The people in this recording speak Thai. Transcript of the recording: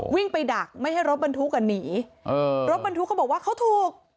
วิ่งไปดักไม่ให้รถบรรทุกอ่ะหนีรถบรรทุกเขาบอกว่าเขาถูก